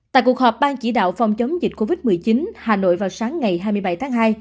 tại cuộc họp ban chỉ đạo phòng chống dịch covid một mươi chín hà nội vào sáng ngày hai mươi bảy tháng hai